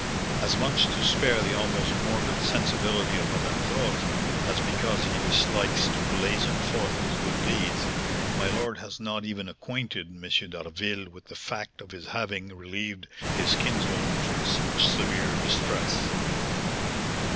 As much to spare the almost morbid sensibility of Madame Georges, as because he dislikes to blazon forth his good deeds, my lord has not even acquainted M. d'Harville with the fact of his having relieved his kinswoman from such severe distress."